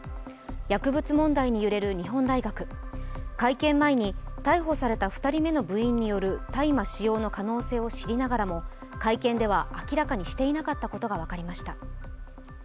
薬物問題に揺れる日本大学会見前に逮捕された２人目の部員による大麻使用の可能性を知りながらも会見では明らかにしていなかったことが分かりました。